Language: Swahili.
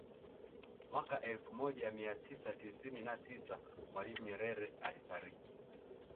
Mwaka elfu moja mia tisa tisini na tisa Mwalimu Nyerere alifariki